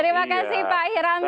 terima kasih pak irang